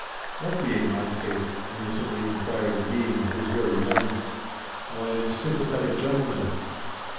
"What being, Aunt Kate?" innocently inquired the being who was very young. "Why this sympathetic gentleman!"